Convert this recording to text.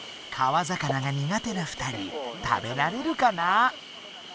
川魚が苦手な２人食べられるかな？